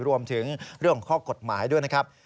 รวมถึงเรื่องของข้อกฎหมายด้วยนะครับ